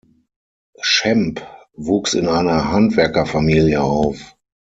Schempp wuchs in einer Handwerkerfamilie auf.